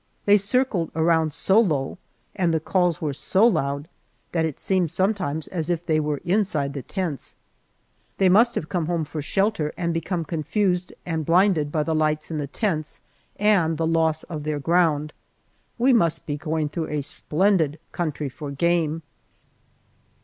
They circled around so low and the calls were so loud that it seemed sometimes as if they were inside the tents. They must have come home for shelter and become confused and blinded by the lights in the tents, and the loss of their ground. We must be going through a splendid country for game.